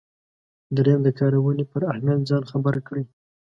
دریم د کارونې پر اهمیت ځان خبر کړئ.